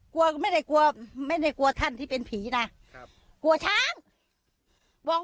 กลัวก็ไม่ได้กลัวไม่ได้กลัวท่านที่เป็นผีนะครับกลัวช้างบอก